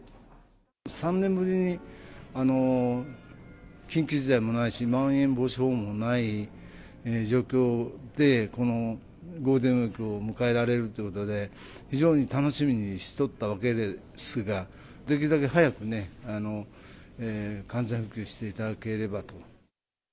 ３年ぶりに、緊急事態もないし、まん延防止法もない状況で、このゴールデンウィークを迎えられるということで、非常に楽しみにしとったわけですが、できるだけ早く、完全復旧していただければと。